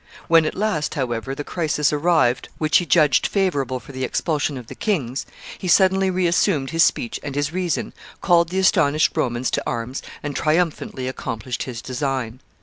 When at last, however, the crisis arrived which he judged favorable for the expulsion of the kings, he suddenly reassumed his speech and his reason, called the astonished Romans to arms, and triumphantly accomplished his design.